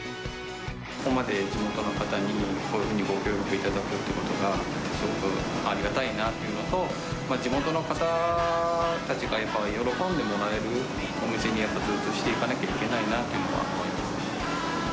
ここまで地元の方に、こういうふうにご協力いただけるっていうことがすごくありがたいなというのと、地元の方たちがやっぱり、喜んでもらえるお店にやっぱりしていかなきゃいけないなっていうのは思いますね。